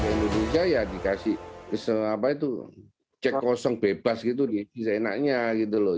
indonesia ya dikasih cek kosong bebas gitu bisa enaknya gitu loh